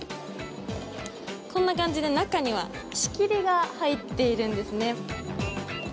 こんな感じで、中には仕切りが入っているんですね。